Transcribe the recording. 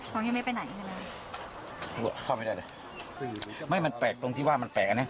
ยังไม่ไปไหนกันเลยบอกเข้าไม่ได้เลยไม่มันแปลกตรงที่ว่ามันแปลกอันเนี้ย